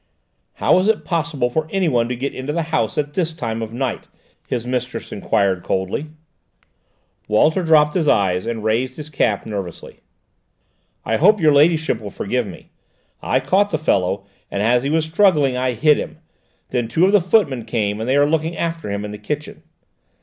"How was it possible for anyone to get into the house at this time of night?" his mistress enquired coldly. Walter dropped his eyes and twisted his cap nervously. "I hope your ladyship will forgive me. I caught the fellow, and as he was struggling I hit him. Then two of the footmen came, and they are looking after him in the kitchen."